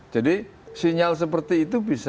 jadi sinyal seperti itu bisa